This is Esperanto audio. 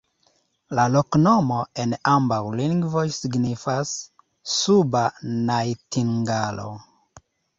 La loknomo en ambaŭ lingvoj signifas: suba najtingalo.